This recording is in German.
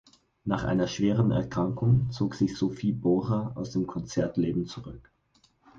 Nach einer schweren Erkrankung zog sich Sophie Bohrer aus dem Konzertleben zurück.